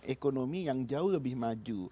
ekonomi yang jauh lebih maju